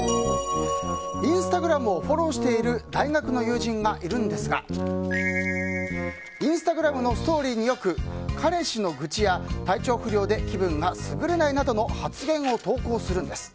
インスタグラムをフォローしている大学の友人がいるんですがインスタグラムのストーリーによく彼氏の愚痴や体調不良で気分が優れないなどの発言を投稿するんです。